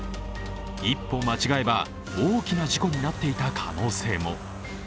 一歩間違えば大きな事故になっていた可能性も。